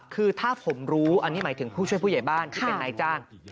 คือถ้าผมรู้อันนี้หมายถึงผู้ช่วยผู้ใหญ่บ้านที่เป็นนายจ้าง